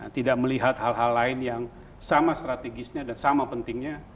tidak melihat hal hal lain yang sama strategisnya dan sama pentingnya